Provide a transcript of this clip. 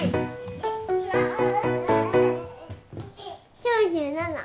９７。